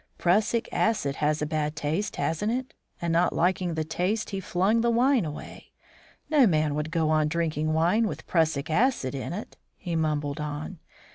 Prussic acid has a bad taste, hasn't it? and not liking the taste he flung the wine away. No man would go on drinking wine with prussic acid in it," he mumbled on.